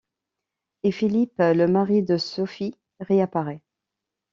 Et Philippe, le mari de Sophie, réapparaît.